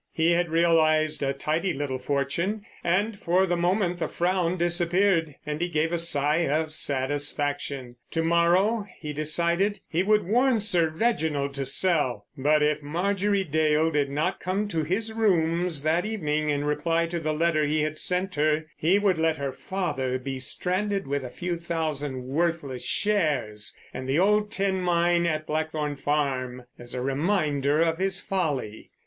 He had realised a tidy little fortune, and for the moment the frown disappeared and he gave a sigh of satisfaction. To morrow, he decided, he would warn Sir Reginald to sell; but if Marjorie Dale did not come to his rooms that evening in reply to the letter he had sent her, he would let her father be stranded with a few thousand worthless shares, and the old tin mine at Blackthorn Farm as a reminder of his folly.